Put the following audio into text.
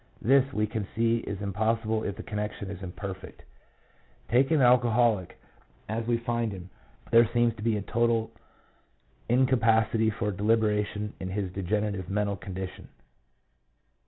This, we can see, is impossible if the connection is imperfect. Taking the alcoholic as we find him, there seems to be a total incapacity for deliberation in his degenerated mental condition.